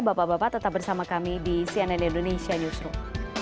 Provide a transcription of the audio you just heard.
bapak bapak tetap bersama kami di cnn indonesia newsroom